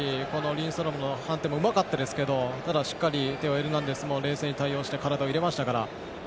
リンストロムの反転もうまかったですけどただ、しっかりテオ・エルナンデスも冷静に対応して体を入れましたから。